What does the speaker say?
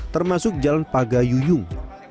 termasuk jalan pagayuyung